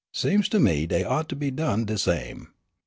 Seems to me dey ought to be done de same.